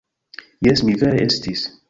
Jes, mi vere estis.